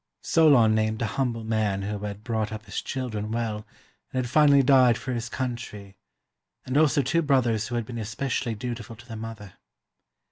Solon named a humble man who had brought up his children well and had finally died for his coun try, and also two brothers who had been especially dutiful to their mother.